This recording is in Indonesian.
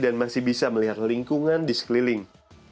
dan masih bisa melihat lingkungan di sekeliling